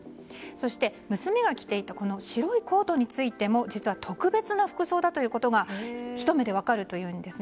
そして、娘が着ていた白いコートについても実は特別な服装だとひと目で分かるというんです。